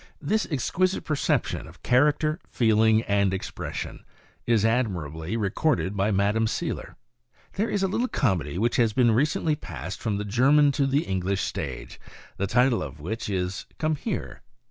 This exquisite perception of character, feeling and expression, is admirably recorded by Madame Seiler :" There is a little comedy which has recently passed from the German to the English stage, the title of which is ' Gome Here.